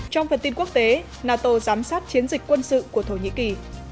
trong phần tin quốc tế nato giám sát chiến dịch quân sự của thổ nhĩ kỳ